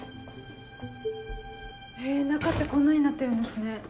へぇ中ってこんなになってるんですね。